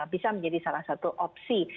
bisa menjadi salah satu opsi